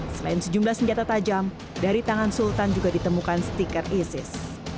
selain sejumlah senjata tajam dari tangan sultan juga ditemukan stiker isis